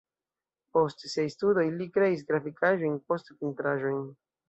Post siaj studoj li kreis grafikaĵojn, poste pentraĵojn.